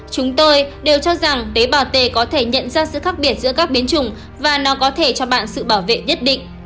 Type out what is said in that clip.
chúng tôi đều cho rằng tế bào t có thể nhận ra sự khác biệt giữa các biến trùng và nó có thể cho bạn sự bảo vệ nhất định